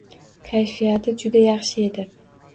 Kayfiyati juda yaxshi edi.